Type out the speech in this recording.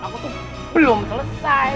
aku tuh belum selesai